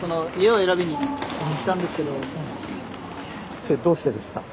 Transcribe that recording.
それどうしてですか？